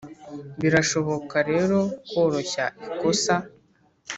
birashoboka rero koroshya ikosa